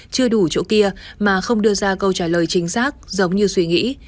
chưa đủ chỗ kia mà không đưa ra câu trả lời chính xác giống như suy nghĩ